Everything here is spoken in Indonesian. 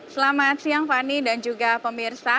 selamat siang fani dan juga pemirsa